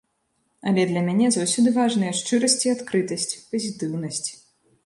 Але для мяне заўсёды важныя шчырасць і адкрытасць, пазітыўнасць.